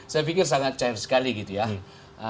saya pikir sangat cair sekali gitu ya